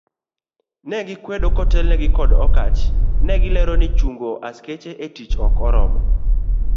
Ne gikwedo kotelnegi kod Okatch, negilero ni chungo askechego etich ok oromo.